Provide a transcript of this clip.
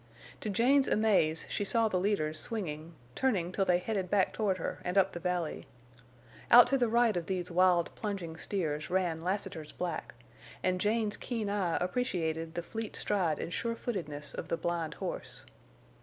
To Jane's amaze she saw the leaders swinging, turning till they headed back toward her and up the valley. Out to the right of these wild plunging steers ran Lassiter's black, and Jane's keen eye appreciated the fleet stride and sure footedness of the blind horse.